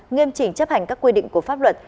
nghiêm chỉnh chấp hành các quy định của pháp luật